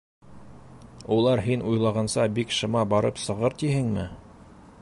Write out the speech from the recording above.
Улар һин уйлағанса бик шыма барып сығыр тиһеңме?